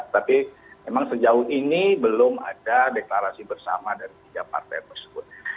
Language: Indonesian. tapi memang sejauh ini belum ada deklarasi bersama dari tiga partai tersebut